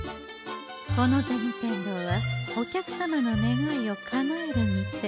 この銭天堂はお客様の願いをかなえる店。